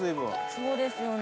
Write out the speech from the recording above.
そうですよね。